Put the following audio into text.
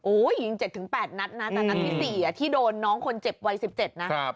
โอ้โหยิง๗๘นัดนะแต่นัดที่๔ที่โดนน้องคนเจ็บวัย๑๗นะ